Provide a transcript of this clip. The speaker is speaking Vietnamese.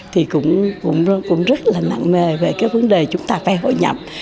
thì cũng rất là nặng nề về cái vấn đề chúng ta phải hội nhập